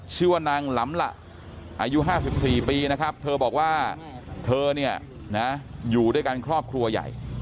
ชื่อว่านางหลำละอายุ๕๔ปีนะครับเธอบอกว่าเธอเนี่ยนะอยู่ด้วยกันครอบครัวใหญ่